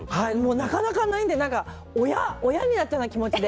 なかなかないので親になったような気持ちで。